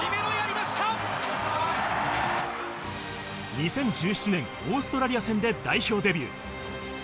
２０１７年オーストラリア戦で代表デビュー。